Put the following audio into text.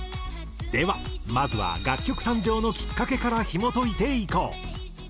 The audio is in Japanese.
ではまずは楽曲誕生のきっかけからひもといていこう。